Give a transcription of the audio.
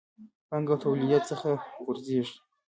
پانګه توليديت څخه غورځېږي.